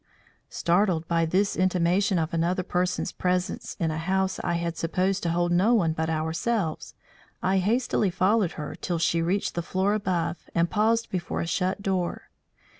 Startled by this intimation of another person's presence in a house I had supposed to hold no one but ourselves, I hastily followed her till she reached the floor above and paused before a shut door.